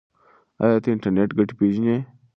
ایا ته د انټرنیټ ګټې پیژنې؟